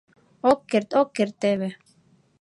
— Ок керт, ок керт теве!